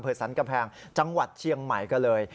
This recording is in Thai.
สันกำแพงจังหวัดเชียงใหม่ก็เลย